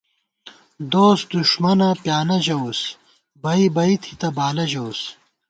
دوس دݭمَنہ پیانہ ژَوُس، بئ بئ تھِتہ بالہ ژَوُس